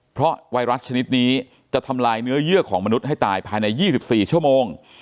เพราะไวรัสชนิดนี้จะทำลายเนื้อเยื่อของมนุษย์ให้ตายภายใน๒๔ชั่วโมง